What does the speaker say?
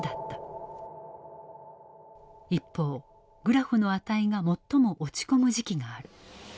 一方グラフの値が最も落ち込む時期がある。